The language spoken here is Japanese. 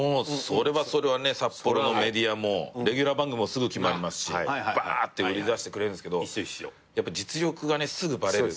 それはそれは札幌のメディアもレギュラー番組もすぐ決まりますしばーって売り出してくれるんですけどやっぱ実力がすぐバレる。